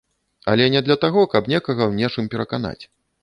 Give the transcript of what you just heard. Але не для таго, каб некага ў нечым пераканаць.